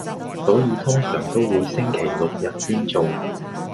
所以通常都會星期六日先做